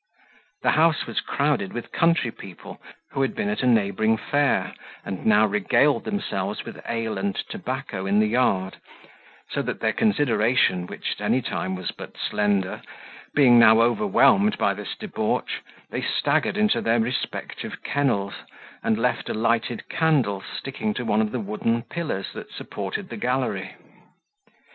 The house was crowded with country people who had been at a neighbouring fair, and now regaled themselves with ale and tobacco in the yard; so that their consideration, which at any time was but slender, being now overwhelmed by this debauch, they staggered into their respective kennels, and left a lighted candle sticking to one of the wooden pillars that supported the gallery.